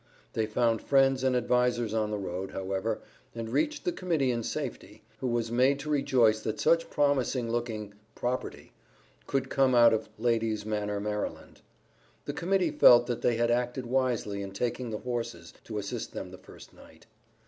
They found friends and advisers on the road, however, and reached the Committee in safety, who was made to rejoice that such promising looking "property" could come out of Ladies' Manor, Maryland. The Committee felt that they had acted wisely in taking the horses to assist them the first night.